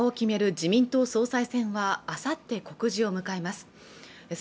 自民党総裁選はあさって告示を迎えます